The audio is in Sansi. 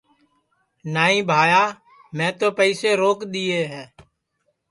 نائی بھائیا میں تو پئیسے روک دؔیے ہے